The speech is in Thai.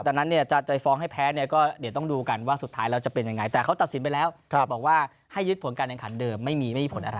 แต่งั้นเนี่ยจากไฟล์ฟอร์งให้แพ้เนี่ยก็เดี๋ยวต้องดูกันว่าสุดท้ายเราจะเป็นยังไง